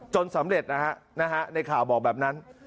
สำเร็จนะฮะในข่าวบอกแบบนั้น